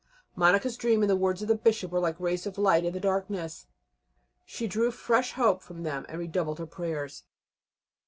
Monica's dream and the words of the Bishop were like rays of light in the darkness. She drew fresh hope from them and redoubled her prayers.